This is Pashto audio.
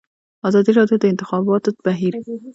ازادي راډیو د د انتخاباتو بهیر په اړه د ښځو غږ ته ځای ورکړی.